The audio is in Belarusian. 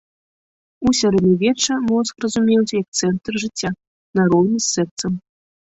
У сярэднявечча мозг разумеўся як цэнтр жыцця, нароўні з сэрцам.